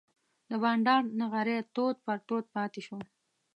د بانډار نغری تود پر تود پاتې شو.